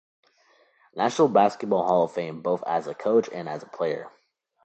National Basketball Hall of Fame both as a coach and as a player.